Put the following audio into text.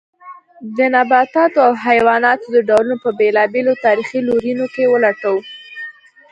د نباتاتو او حیواناتو د ډولونو په بېلابېلو تاریخي لورینو کې ولټوو.